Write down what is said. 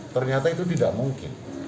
ternyata itu tidak mungkin